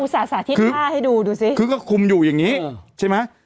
อุตส่าห์สาธิตผ้าให้ดูดูซิคือก็คุมอยู่อย่างงี้ใช่ไหม